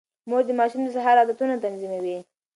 مور د ماشوم د سهار عادتونه تنظيموي.